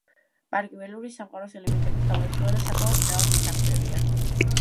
პარკი ველური სამყაროს ელემენტებით გამოირჩევა და საკმაოდ ძნელად მისაღწევია.